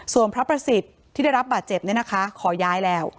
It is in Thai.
ส่วนพระประสิทธิ์ที่ได้รับบาดเจ็บเนี่ยนะคะขอย้ายแล้ว